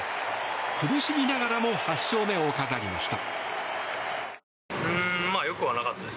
苦しみながらも８勝目を飾りました。